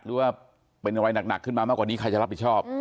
หรือว่าเป็นอะไรหนักขึ้นมามากกว่านี้ใครจะรับผิดชอบ